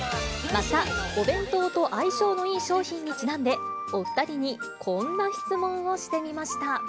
また、お弁当と相性のいい商品にちなんで、お２人にこんな質問をしてみました。